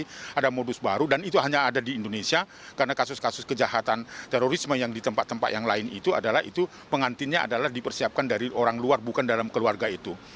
tapi ada modus baru dan itu hanya ada di indonesia karena kasus kasus kejahatan terorisme yang di tempat tempat yang lain itu adalah itu pengantinnya adalah dipersiapkan dari orang luar bukan dalam keluarga itu